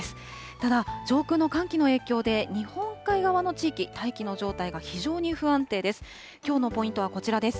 ただ、上空の寒気の影響で、日本海側の地域、大気の状態が非常に不安定です。